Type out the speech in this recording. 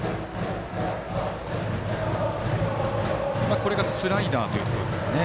今のがスライダーということですかね。